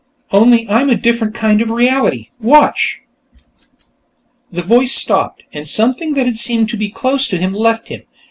Only I'm a different kind of reality. Watch." The voice stopped, and something that had seemed to be close to him left him.